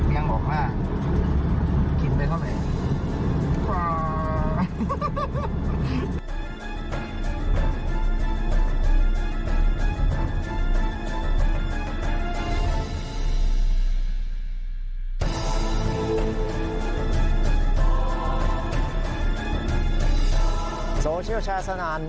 สวัสดีครับ